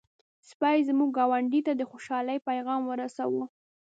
سپي زموږ ګاونډی ته د خوشحالۍ پيغام ورساوه.